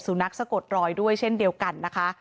นักสะกดรอยด้วยเช่นเดียวกันนะคะ